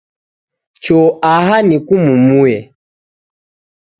Cho aha nikumumuye